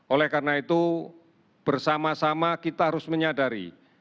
oleh karena itu bersama sama kita harus menyadari